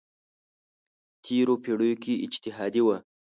تېرو پېړیو کې اجتهادي وه.